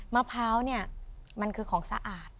มะพร้าวเนี่ยมันคือของสะอาด